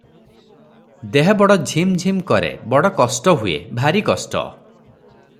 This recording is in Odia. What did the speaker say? ଦେହ ବଡ଼ ଝିମ୍ ଝିମ୍ କରେ, ବଡ଼ କଷ୍ଟ ହୁଏ – ଭାରି କଷ୍ଟ ।